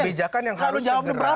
nah ini kebijakan yang harus segera